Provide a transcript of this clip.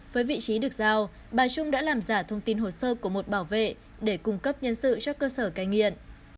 với vị trí được giao bà trung đã làm giả thông tin hồ sơ của một bảo vệ để cung cấp nhân sự cho cơ sở cai nghiện